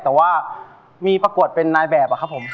แต่ว่ามีประกวดเป็นนายแบบอะครับผม